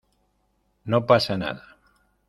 no pasa nada.